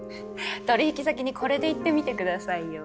取引先にこれで行ってみてくださいよ。